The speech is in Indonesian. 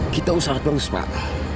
kita usahakannya pak